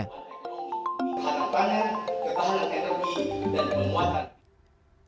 kepala pemerintah kepala energi dan penguatan